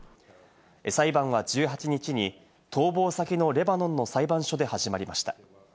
裁判は１８日に逃亡先のレバノンの裁判所で始まりました。